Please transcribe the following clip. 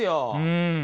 うん！